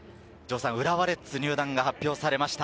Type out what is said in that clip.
浦和レッズに入団が発表されました。